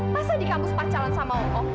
masa di kampus pacaran sama om om